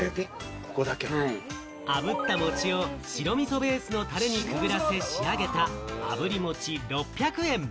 あぶった餅を白みそベースのたれにくぐらせ仕上げた、あぶり餅６００円。